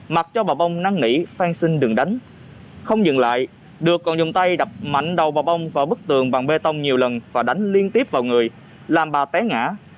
mặt cho bà bông năng nỉ phan xin đừng đánh không dừng lại được còn dùng tay đập mạnh đầu bà bông vào bức tường bằng bê tông nhiều lần và đánh liên tiếp vào người làm bà té ngã